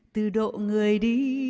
từ độ người đi